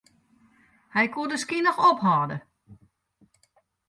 Hy koe de skyn noch ophâlde.